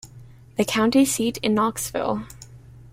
The county seat is Knoxville.